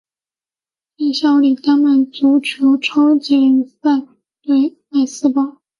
现效力丹麦足球超级联赛球队艾斯堡。